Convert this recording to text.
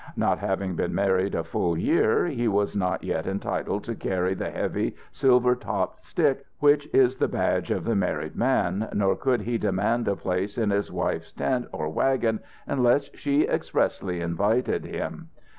Not having been married a full year, he was not yet entitled to carry the heavy, silver topped stick which is the badge of the married man, nor could he demand a place in his wife's tent or wagon unless she expressly invited him.